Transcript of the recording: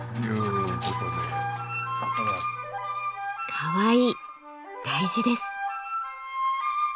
「かわいい」大事です。